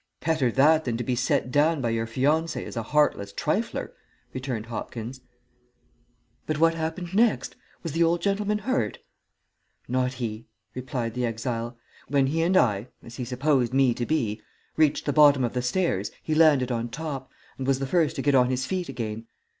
"Better that than to be set down by your fiancée as a heartless trifler," returned Hopkins. "But what happened next? Was the old gentleman hurt?" "Not he," replied the exile. "When he and I, as he supposed me to be, reached the bottom of the stairs he landed on top, and was the first to get on his feet again.